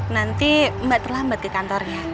nanti mbak terlambat di kantornya